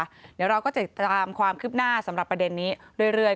เดี๋ยวเราก็จะติดตามความคืบหน้าสำหรับประเด็นนี้เรื่อย